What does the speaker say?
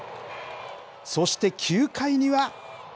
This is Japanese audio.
そして９回には。